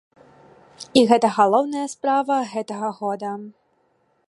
І гэта галоўная справа гэтага года.